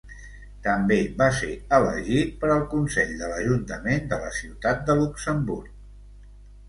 També va ser elegit per al consell de l'Ajuntament de la ciutat de Luxemburg.